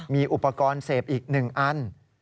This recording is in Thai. มีอุปกรณ์เสพอีกหนึ่งอัน